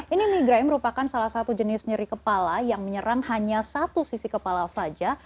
ini migrain merupakan salah satu jenis nyeri kepala yang menyerang hanya satu sisi kepala saja